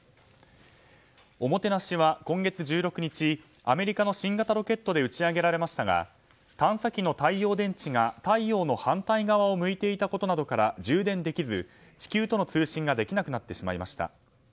「ＯＭＯＴＥＮＡＳＨＩ」は今月１６日アメリカの新型ロケットで打ち上げられましたが探査機の太陽電池が太陽の反対側を向いていたことなどから充電できず地球との通信ができなくなってしまいました。